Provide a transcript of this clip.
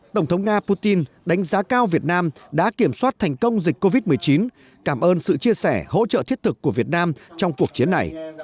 tổng thống nga putin đánh giá cao việt nam đã kiểm soát thành công dịch covid một mươi chín cảm ơn sự chia sẻ hỗ trợ thiết thực của việt nam trong cuộc chiến này